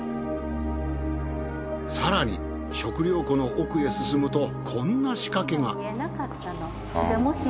更に食糧庫の奥へ進むとこんな仕掛けが。えっ！